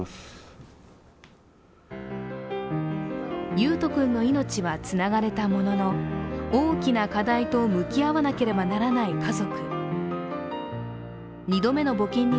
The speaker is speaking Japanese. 維斗君の命はつながれたものの大きな課題と向き合わなければならない家族。